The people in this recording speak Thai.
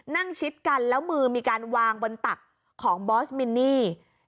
ชิดกันแล้วมือมีการวางบนตักของบอสมินนี่